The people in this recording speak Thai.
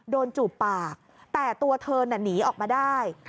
จูบปากแต่ตัวเธอน่ะหนีออกมาได้